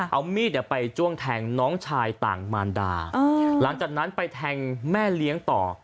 เอามีดไปจ้วงแทงน้องชายต่างมารดาหลังจากนั้นไปแทงแม่เลี้ยงต่อ